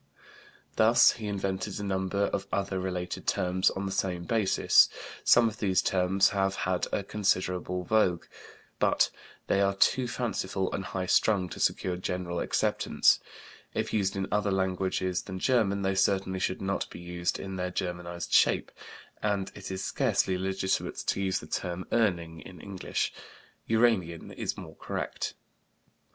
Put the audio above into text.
He also invented a number of other related terms on the same basis; some of these terms have had a considerable vogue, but they are too fanciful and high strung to secure general acceptance. If used in other languages than German they certainly should not be used in their Germanized shape, and it is scarcely legitimate to use the term "Urning" in English. "Uranian" is more correct.